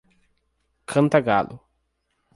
Cantagalo